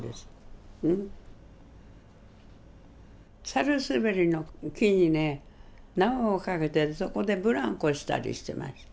サルスベリの木にね縄を掛けてそこでブランコしたりしてました。